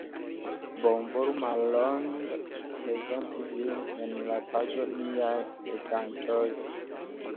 Bonvolu mallonge prezenti vin en la paĝo Niaj legantoj.